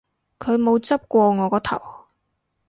佢冇執過我個頭